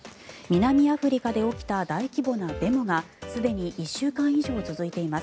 南アフリカで起きた大規模なデモがすでに１週間以上続いています。